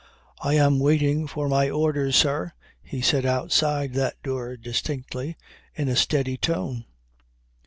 "I am waiting for my orders, sir," he said outside that door distinctly, in a steady tone.